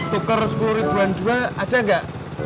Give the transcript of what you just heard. tukar sepuluh ribuan juga ada enggak